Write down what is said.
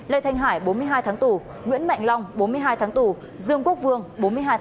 lê thanh hải bốn mươi hai tháng tù nguyễn mạnh long bốn mươi hai tháng tù dương quốc vương bốn mươi hai tù